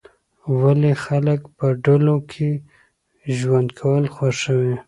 ولې خلک په ډلو کې ژوند کول خوښوي؟